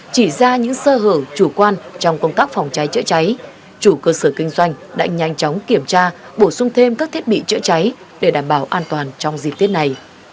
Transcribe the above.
chỉ ra những sơ hở chủ quan trong công tác phòng cháy chữa cháy chủ cơ sở kinh doanh đã nhanh chóng kiểm tra bổ sung thêm các thiết bị chữa cháy để đảm bảo an toàn trong dịp tiết này